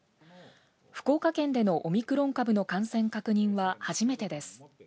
福岡県でのオミクロン株の感染確認は初めてです。